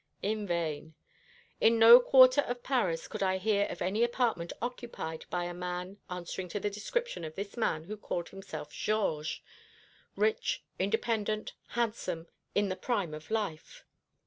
In vain. In no quarter of Paris could I hear of any apartment occupied by a man answering to the description of this man who called himself Georges rich, independent, handsome, in the prime of life.